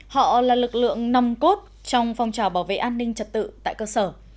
họ là lực lượng nòng cốt trong phong trào bảo vệ an ninh trật tự tại cơ sở